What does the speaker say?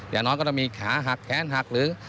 อย่างน้อยก็ต้องมีขาหักแค้นหักหรือ